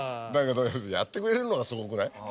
だけどやってくれるのがすごくない？